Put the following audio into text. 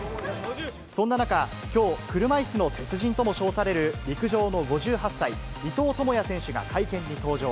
そんな中、きょう車いすの鉄人とも称される陸上の５８歳、伊藤智也選手が会見に登場。